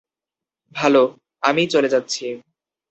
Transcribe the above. ভালো, আমিই চলে যাচ্ছি।